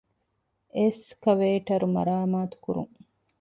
އެސްކަވޭޓަރ މަރާމާތުކުރުން